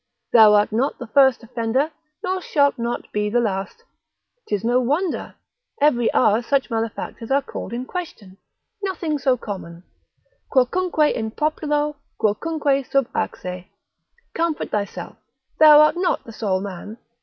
thou art not the first offender, nor shalt not be the last, 'tis no wonder, every hour such malefactors are called in question, nothing so common, Quocunque in populo, quocunque sub axe? Comfort thyself, thou art not the sole man.